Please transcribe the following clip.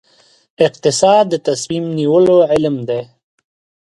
اقتصاد د تصمیم نیولو علم دی